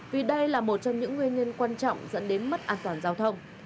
vì đây là một trong những nguyên nhân quan trọng dẫn đến mất an toàn giao thông